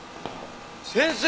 先生！